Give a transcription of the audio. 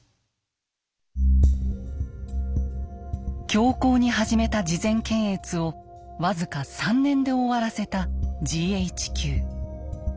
強硬に始めた事前検閲を僅か３年で終わらせたＧＨＱ。